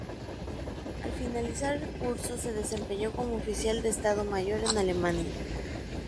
Al finalizar el curso se desempeñó como oficial de Estado Mayor en Alemania.